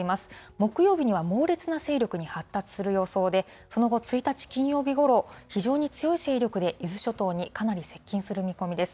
木曜日には猛烈な勢力に発達する予想で、その後、１日金曜日ごろ、非常に強い勢力で、伊豆諸島にかなり接近する見込みです。